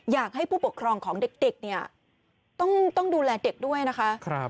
อยากให้ผู้ปกครองของเด็กเนี่ยต้องดูแลเด็กด้วยนะคะ